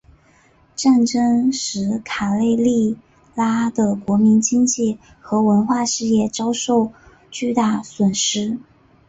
战争使卡累利阿的国民经济和文化事业遭受巨大损失。